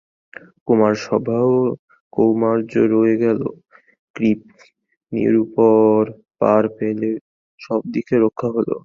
কুমারসভারও কৌমার্য রয়ে গেল, নৃপ-নীরুও পার পেলে, সব দিক রক্ষা হল।